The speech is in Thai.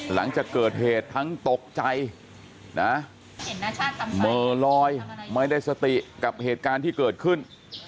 หลังจากเกิดเหตุทั้งตกใจนะเหม่อลอยไม่ได้สติกับเหตุการณ์ที่เกิดขึ้น